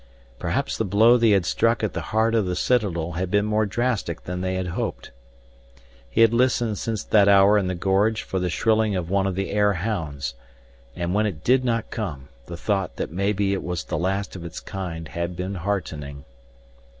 Perhaps the blow they had struck at the heart of the citadel had been more drastic than they had hoped. He had listened since that hour in the gorge for the shrilling of one of the air hounds. And when it did not come the thought that maybe it was the last of its kind had been heartening.